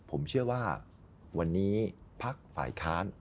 ผมเชื่อว่าวันนี้ภักดิ์ฝ่ายค้าน